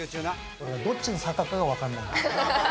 どっちの坂かが分かんない。